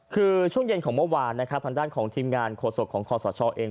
คือช่วงเย็นของเมื่อวานนะครับทางด้านของทีมงานโฆษกของคอสชเอง